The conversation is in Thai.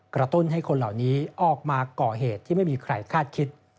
ตุ้นให้คนเหล่านี้ออกมาก่อเหตุที่ไม่มีใครคาดคิด